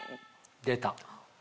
出た！